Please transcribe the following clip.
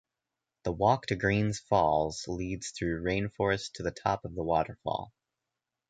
The walk to Greene's Falls leads through rainforest to the top of the waterfall.